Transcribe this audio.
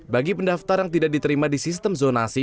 bagi pendaftar yang tidak diterima di sistem zonasi